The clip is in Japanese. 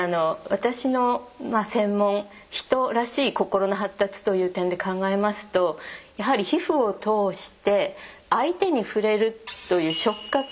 私の専門「人らしい心の発達」という点で考えますとやはり皮膚を通して相手に触れるという触覚